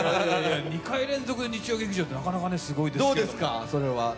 ２回連続で日曜劇場ってなかなかすごいですよ。